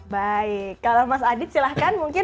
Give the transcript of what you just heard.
baik kalau mas adit silahkan mungkin